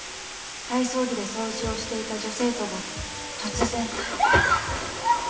体操着で掃除をしていた女生徒が突然キャ！